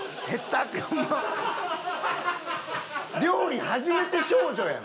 料理初めて少女やん！